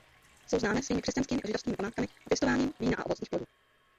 Jsou známé svými křesťanskými a židovskými památkami a pěstováním vína a ovocných plodů.